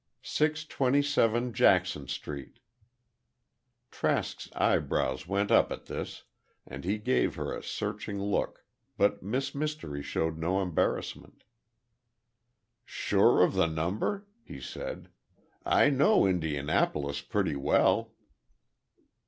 "Six twenty seven Jackson Street." Trask's eyebrows went up at this, and he gave her a searching look, but Miss Mystery showed no embarrassment. "Sure of the number?" he said, "I know Indianapolis pretty well."